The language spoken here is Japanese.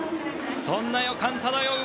そんな予感漂う